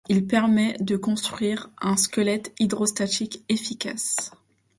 Il permet de construire un squelette hydrostatique efficace.